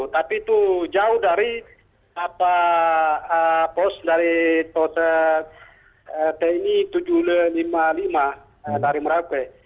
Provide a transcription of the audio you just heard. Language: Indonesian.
tapi itu jauh dari pos dari tni tujuh ratus lima puluh lima dari merauke